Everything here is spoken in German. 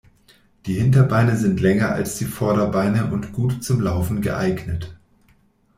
Die Hinterbeine sind länger als die Vorderbeine und gut zum Laufen geeignet.